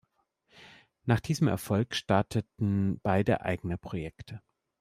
Nach diesem Erfolg starteten beide eigene Projekte.